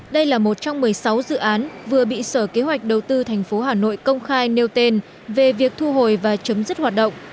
đây là một trong một mươi sáu dự án vừa bị sở kế hoạch đầu tư tp hà nội công khai nêu tên về việc thu hồi và chấm dứt hoạt động